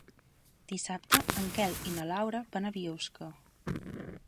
Dissabte en Quel i na Laura van a Biosca.